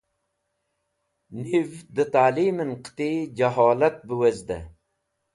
Nev dẽ talimẽn qẽti jẽholat bẽ wezdẽ